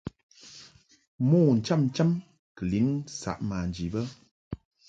Mo ncham cham kɨ lin saʼ manji bə.